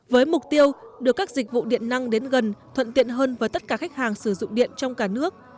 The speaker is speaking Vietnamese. với mục tiêu đưa các dịch vụ điện năng đến gần thuận tiện hơn với tất cả khách hàng sử dụng điện trong cả nước